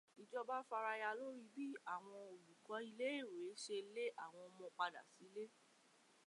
Ìjọba faraya lórí bí àwọn olùkọ́ iléèwe ṣe lé àwọn ọmọ padà sílé.